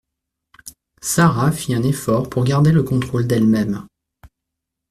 Sara fit un effort pour garder le contrôle d’elle-même.